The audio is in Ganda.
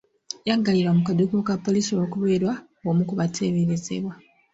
Yaggalirwa mu kaduukulu ka poliisi olw'okubeera omu ku bateeberezebwa.